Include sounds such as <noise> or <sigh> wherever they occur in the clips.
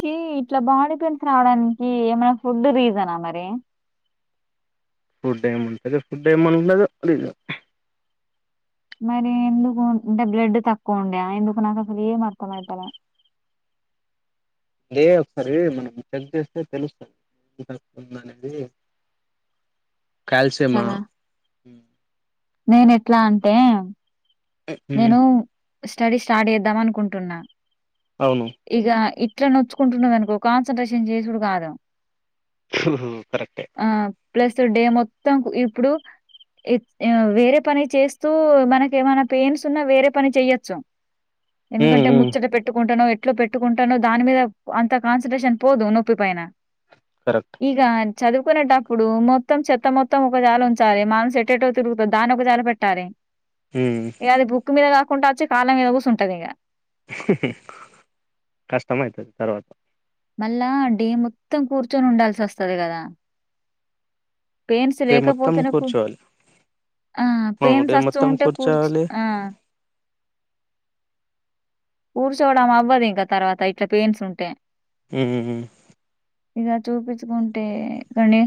కి ఇట్లా body pains రావడానికి ఏమైనా ఫుడ్ రీజనా మరి ఫుడ్ ఏమంటుంది ఫుడ్ ఏముండదు ఇగ మరి ఎందుకు అంటే బ్లడ్ తక్కువ ఉండేయా ఎందుకు నాకు అసలు ఏం అర్థం అయితా లే లేదు ఒకసారి మనం చెక్ చేస్తే తెలుస్తాది అనేది కాల్సియమా కదా. నేను ఎట్లా అంటే నేను మ్ స్టడీ స్టార్ట్ చేద్దాం అనుకుంటున్నా అవును ఇగా ఇ ఇట్లా నొచ్చుకుంటుండద అనుకో కాన్సన్ట్రేషన్ చేసుడు కాదు ఒ కరెక్ట్హె ఆ! ప్లస్ డే మొత్తం ఇప్పుడు ఇ వేరే పని చేస్తూ మనకి ఏమైనా పెయిన్స్ ఉన్నా వేరే పని చెయ్యొచ్చు ఉమ్ ఎందుకంటే ఉమ్ ముచ్చట పెట్టుకుంటానో ఇట్లో పెట్టుకుంటాను దాని మీీద అంత కాన్సన్ంట్రేషన్ పోదు నొప్పి పైన కరెక్ట్ ఈకా అ చదువుకునేటప్పుడు మొత్తం చెత్త మొత్తం ఒక జాలాలు ఉంచాలి మనం ఎటేట తిరుగుత దాని ఒక చాల పెట్టార ఉమ్ ఎది బుక్ మీర కాస్త కుంటాచ్చి కాలం మీద పోస్ ఉంటదికా కష్టమ అవుతుంది తర్వాత మళ్ళా డీ మొత్తం కూర్చొని ఉండాల్సి వస్తుది కదా పెయిన్స్ డే మొత్తం లేకపోతే నాకు కూర్చోవాలి ఆ అవును పెయిన్స్ డే వస్తూ మొత్తం ఉంటే కూర్చు కూర్చోవాలి ఆ కూర్చోవడం అవ్వదు ఇంకా తర్వాత ఇట్లా పెయిన్స్ ఉంటే అ ఇక చూపించుకుంటే కానీ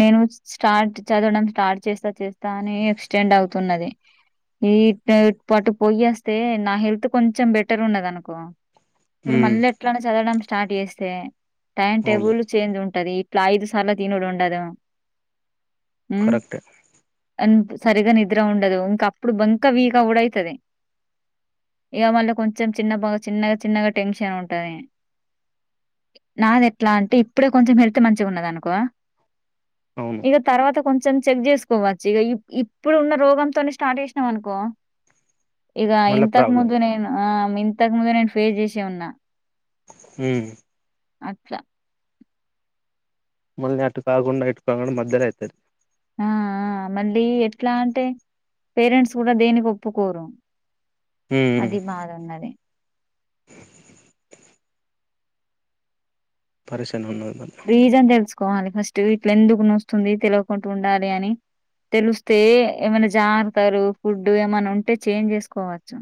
నేను స్టార్ట్ చదవడం స్టార్ట్ చేస్తా చేస్తా అని ఎక్స్టెండ్ అవుతున్నది ఈ పాటు పోయేస్తే నా హెల్త్ కొంచెం బెట పట్టర్ ఉండదు అనకో ఇప్పుడు ఉమ్ మల్లెట్ల చదవ స్టార్ట్ చేస్తే టైమ్ అవును టేబుల్ చేంజ్ ఉంటా ఉంటది ఇట్లా ఐదు సార్ల త తీనుడం ఉండదు ఫరాక్టే అ సరిగా నిద్ర ఉండదు ఇంకా అప్పుడు బంక వీకా కూడా అవుతుది ఇక మళ్ళ కొంచెం కొంచెం చిన్న బాగా చిన్నగా చిన్నగా టెన్షన్ ఉంటది నాది ఎట్లా అంటే ఇప్పుడే కొంచెం హెల్త్ మంచిగా ఉన్నది అనుకో అవును ఇక తర్వాత కొంత కొంచెం చెక్ చేసుకోవచ్చు ఇక ఇప్పుడు ఉన్న రోగంతోనే స్టార్ట్ చేసినాం అనుకో ఇక మళ్ళా ఇంతక ప్రాబ్లం ముందు నేను ఆ ఇంతకు ముందు నేను ఫేస్ చేసే ఉన్నా హ అచ్చా మొళ అట్టు కాకుండా ఇట్టు కం మధ్యర అయితది ఆ ఆ మళ్ళీ ఎట్లా అంటే పేరెంట్స్ కూడా దేనికి ఒప్పుకోరు. ఉమ్ అది బాదున్నది. పరిస్ ఉనది మల్ల కోవాలి ఫస్ట్ ఇట్ల ఎందుకు నోస్తుంది తెలియకుండా ఉండాలి అని తెలిస్తే ఏమైనా జాగ్రత్తగా ఫుడ్ ఏమైన్నా ఉంటే చేంజ్ చేసుకోవచ్చు.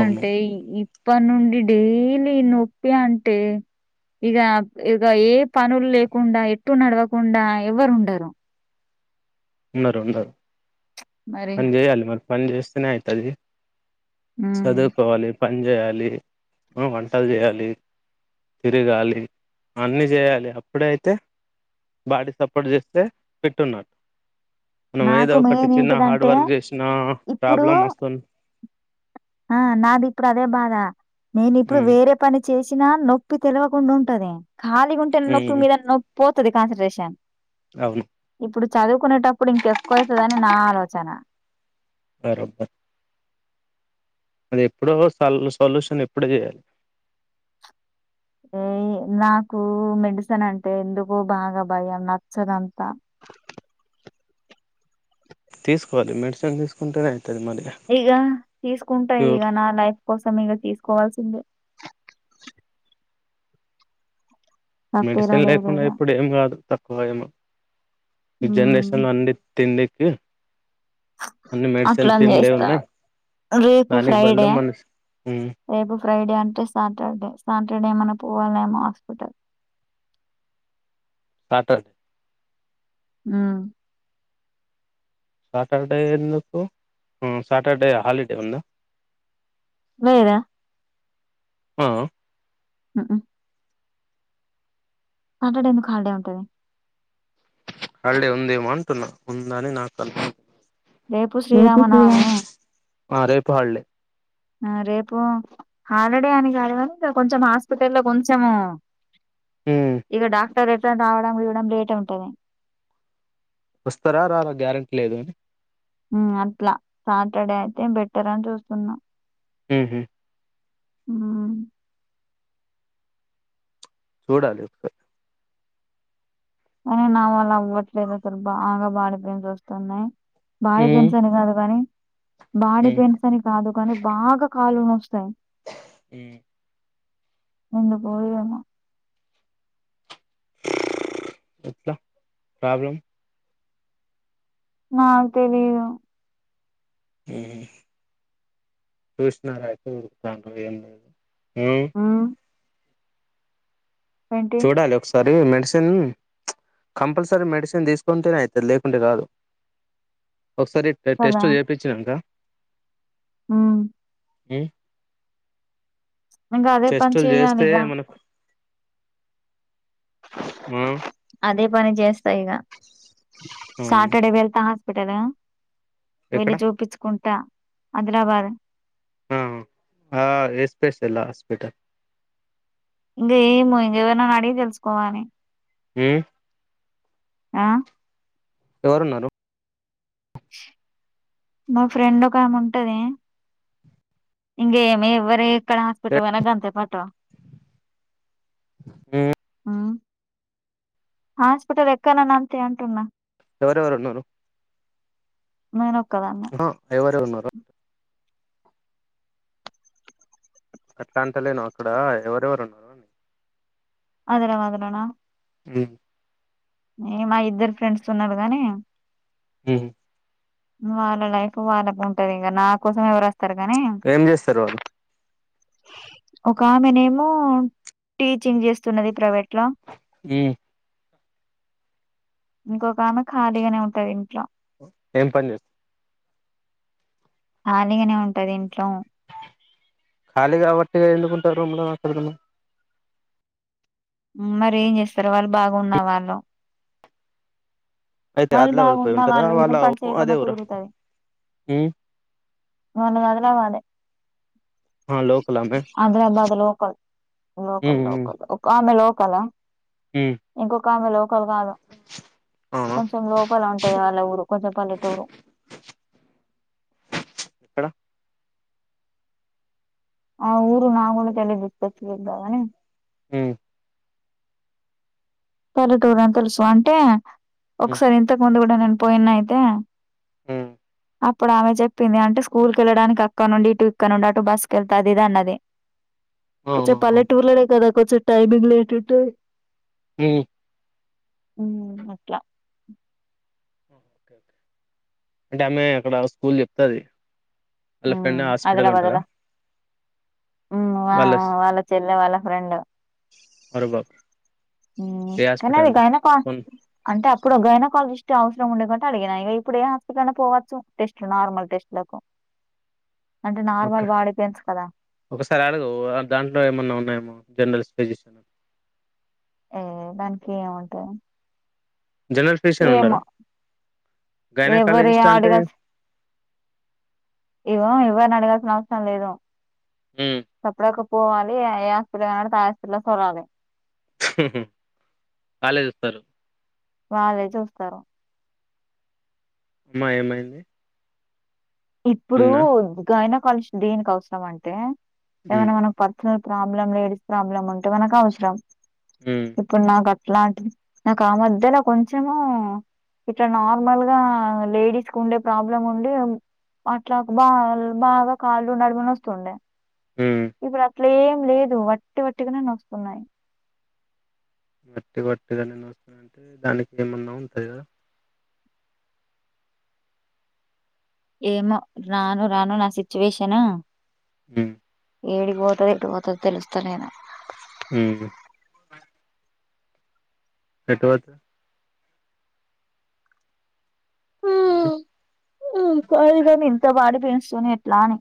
అవును ఈ ఈ ఇప్పటి నుండి డైలీ నొప్పి అంటే ఇగా ఇక ఏ పనులు లేకుండా ఎట్టు నడవకుండా ఎవరు ఉండరు. ఉండరు ఉండరూ మరి. పన్ జేయేలే మ పని చేస్తేనే అయితది హ్మ్. చదుకోవాలి ప పనిచేయాలి, వంటలు చేయాలి, తిరగాలి అన్ని చేయాలి, అప్పుడే అయితే బాడీ సపోర్ట్ చేస్తే ఫిట్ ఉన్నాట్ మనం ఏదో నాకు ఒకటి మెయిన్ చిన్న హార్డ్ ఏంటిదంటే వర్క్ చేసినా ఇప్పుడు ప్రాబ్లం వస్తుంద్ ఆ నాది ఇప్పుడు అదే బాధ నేను ఇప్పుడు ఉమ్, వేరే పని చేసినా నొప్పి తెలవకుండా ఉంటది ఖాళీ గా ఉంటే నొప్పు ఉమ్, మీద నొప్పి ఒ తది కాన్సెన్ట్రేషన్ అవును ఇప్పుడు చదువుకునేటప్పుడు ఇంకెక్కువ అవుతుందని నా ఆలోచన బరాబర్ అది ఎప్పుడో సల్ సొల్యూషన్ ఎప్పుడో చేయాలి మ్ నాకు మెడిసిన్ అంటే ఎందుకు బాగా భయం నచ్చదంతా తీసుకోవాలి మెడిసిన్ తీసుకుంటేనే అవుతుంది మరి ఇగ తీసుకుంటా ఇగ క్యూర్ నా లైఫ్ కోసమే గా తీస్ కోవాల్ సిందే తప్పేలా మెడిసెన్ లేదు లేకుండా ఇగ. ఇప్పుడు ఏం గాదు తక్కువ ఏమో ఈ జన్ హ్మ్ డేషన్లో అన్ని తిండి. కె అట్లని చేస్తా ఉన్నాయి రేపు దానికి బదులు ఫ్రైడే మన రేపు ఫ్రైడే అంటే సాటర్డే సాటర్డే ఏమన్నా పోవాలేమో హాస్పిటల్ ఆటో కి ఊ సాటర్డే ఎందుకు ఉ సాటర్డే హాలిడే ఉందా లేదా అ అ అ అటర్డే ఎందుకు హాలిడే ఉంటది హాలిడే ఉందేమో అంటున్నా ఉందని నాకు కన్ఫర్మ్ రేపు శ్రీరామనవమే ఆ రేపు హాలిడే ఆ రేపు హాలిడే అని కాదు కానీ ఇంగా కొంచెం హాస్పిటల్ లో కొంచెము ఉమ్ ఇగ డాక్ అట్టే రిటర్న్ రావడం ఇవ్వడం లేట్ ఏ ఉంటది వస్తారా రారా గ్యారెంటీ లేదు అని ఊ అట్లా సాటర్డే అయితే బెటర్ అని చూస్తున్నా ఊహూ ఊ చూడాలి ఒకసారి అని నావల్ల అవ్వట్లేదు అసలు బాగా బాడీ పెయిన్స్ వస్తున్నాయ్ బాడి ఉమ్ పెయిన్స్ అని గాదు గని బాడీ ఉమ్ పెయిన్స్ అని కాదు కానీ బాగా కా కాళ్ళు నొస్తాయ్ హు నింద పోయేము ఎట్లా ప్రాబ్లం నాకు తెలీదు ఉహు చూసిన గాబట్టె ఉరుకుతాంటావ్ ఏమి నువ్ ఏంటి చూడాలి ఒకసార్ ది మెడిసిన్ చ్ కంపల్సరీ మెడిసిన్ తీసుకుంటేనే అయితది లేకుంటే కాదు ఒకసారి టె టెస్ట్ చేపిచిండ్రా మ్మ్ మ్మ్ ఇంగా అదే పని చెయ్యాలి ఇగా మ్మ్ అదే పని చేస్తా ఇగ అవును సాటర్డే వెళ్తా హాస్ పెట్టేదె వెళ్ళి ఎక్కడ చూపిచుకుంటా ఆదిలాబాద్ ఆ ఆ ఎస్పేస్ హాస్పిటల్ ఇంగా ఏమో ఇంకెవరినన్నా అడిగి తెలుసుకోవాలి ఊ ఆ ఎవరున్నారు మా ఫ్రెండ్ ఒకేమి ఉంటది ఇంగేమి ఎవర్ ఇక్కడ హాస్పిటల్ పోయినా గంతే పాట్ మ్మ్ హాస్పిటల్ ఎక్కనన్న అంతే అంటున్నా ఎవరెవరు ఉన్నారు <unintelligible> ఎవర్ రున్నారు అట్లా అంటలేను అక్కడ ఎవరెవరు ఉన్నారు ఆదిలాబాదులోన మ్ ఏ మా ఇద్దరు ఫ్రెండ్స్ ఉన్నారు కానీ మ్మ్ వాళ్ళ లైఫ్ వాళ్ళకు ఉంటది ఇంకా నా కోసం ఎవరు వస్తారు గాని ఏం చేస్తారు వాళ్ళు ఒక ఆమెనేమో టీచింగ్ చేస్తున్నది ప్రైవేట్ లో మ్మ్ ఇంకొక ఆమె ఖాళీగనే ఉంటది ఇంట్లో ఏం పనిజేస్ ఖాళీగానే ఉంటది ఇంట్లో ఖాళీ కంటే ఎండుకుంటారు రూమ్ లో మరి ఏం చేస్తారు వాళ్ళు బాగున్న వాళ్ళు అయితే వాళ్ళు ఆదిలాబాద్ పోయి బాగున్న ఉంటదా వాళ్ళు పని చేయకున్నా కుదురుతది మ్మ్ వాళ్ళది ఆదిలాబాధే హ లోకల్ అమ్మే <unintelligible> లోకల్ లోకల్ ఒకామె లో హలో ఉమ్ ఇంకొక ఆమె లోకల్ కాదు అవునా కొంచెం లోపల ఉంటుంది వాళ్ళ ఊరు కొంచెం పల్లెటూరు ఎక్కడ ఆ ఊరు నా కూడా తెలియదు <unintelligible> లే బాగాని ఉమ్ పలెటూర్ అని తెలుసు అంటే ఉమ్ ఒకసారి ఇంతకు ముందు నేన్ పోయిన అయితే ఉమ్ అప్పుడు ఆమె చెప్పింది అంటే స్కూల్ కే ళ్ళడానికి అక్కనుండి ఇటు ఇక్కనుండి అటు బస్ క వెళ్తు అంది ఇది అన్నది కొంచం అవును పల్లెటూర్ లనే కదా కొచం టైమింగ్ లేటెట్ హ ఉ అట్లా అంటే ఆమె అక్కడ స్కూల్ చెప్తది అళ్ళ ఉమ్ ఫన్న హాస్పిటల్ ఉంటందా ఉ వా వాళ్ళ చెల్లె వాళ్ళ అ రె బరోబా కానీ అదిగాన అంటే ఇప్పుడు గైనోకాలజిస్ట్ అవసరం ఉండేకుంటే అడిగిన ఇక ఇప్పుడు ఏ హాస్పిటల్ లో పోవచ్చు టెస్ట్లు నార్మల్ టెస్ట్లకు అంటే నార్మల్ ఓకే బాడీ పెయిన్స్ కదా ఒకసారి అడగు దాంట్లో ఏమన్నా ఉన్నాయేమో జర్నల్స్ పజిషన్ ఏ దానికి ఏముంటాది జనరల్ ఫిజిషియన్ ఏమో ఉండరా ఎవ్వరు ఇగ గైనకాలజిస్ట్ అంటే అడగాల్సిన్ ఇగో ఎవ్వరనీ అడగల్ గాల్సిన అవసరం లేదు హ్మ్. సప్పుడు యాకో పోవాలి ఏ ఏ హాస్పిటల్ <unintelligible> ఆ హాస్పిటల్ చూడాలి ఆల్లె సూత్తరు వాళ్ళే చూస్తారు మ్మా ఏమైంది ఇప్పుడు అన్నా గైన కాలజిస్ట్ దేనికి అవసరం అంటే ఏమన్న ఉమ్ మనం పచ్చల్ ప్రాబ్లం లేడీస్ ప్రాబ్లమ్ ఉంటే మనకు అవసరం ఉమ్ ఇప్పుడు నాక్ <unintelligible> ఇలాంటిది నాకు ఆ మధ్యలో కొంచెము, ఇట్లా నార్మల్ గా లేడీస్ కు ఉండే ప్రాబ్లం ఉండి ఉ అట్లా బా బాగా కాళ్ళు నడుమని వస్తుండే మ్ అట్లేం లేదు వట్టి వట్టిగానే నొస్తున్నాయి వట్టి వట్టిగానే నొస్తాంటే దానికి ఏమన్నా ఉంటది కదా ఏమో రాను రాను నా సిచ్యువేషన్ మ్మ్ ఏడికి పోతది ఎటు పోతది తెలుస్తా లేదు మ్ పెట్వచ్ ఉమ్ కాగా నింత బడి పెయిన్స్ సని ఎట్లాని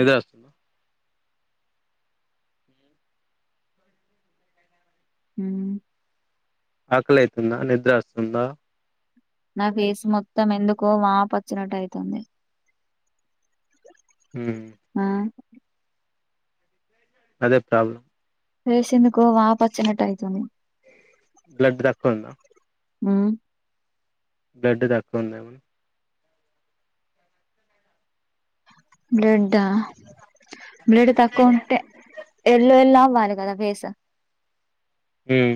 ఇదే వస్తున్నా మ్ ఆకలితుందా నిద్ర వస్తుందా నా ఫేస్ మొత్తం ఎందుకో వాప వచ్చినట్టు అయితుంది ఉమ్ ఆ అదే ప్రాబ్లం ఫేస్ ఎందుకో వాపూ వచ్చినట్టు అయితుంది బ్లడ్ తక్కువ ఉం మ్ బ్లెడ్ తక్కువ ఉందేమో బ్లడ్ ఆ బ్లడ్ తక్కువ ఉంటే ఎళ్ళ ఎలా వాళ్లి కదా ఫేస్ ఉమ్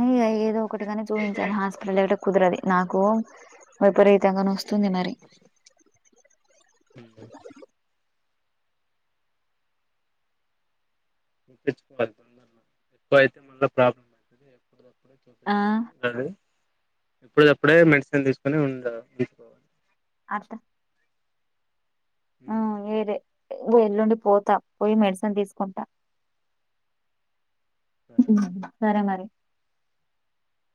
ని ఏదు ఒకటిగానే చూించాల హాస్పిటల్ కుదరది నాకు విపరీతంగాన వస్తుంది మరి హ ఇప్పించుకోవాలి తొందరలో ఎక్కువ అయితే మళ్ళీ ప్రాబ్లమ్ అవుతుంది ఎప్పుడు ఆ చోప్ప ఏదు ఎప్పుడ తప్పుడే మెడిసిన్ తీసుకుొని ఉండాలి అడ అ ఎల్లుండి పోతా పోయి మెడిసిన్ తీసుకుంటా సరే మరి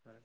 స